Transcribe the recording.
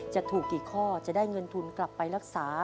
จะถูกกี่ข้อจะได้เงินทุนกลับไปรักษา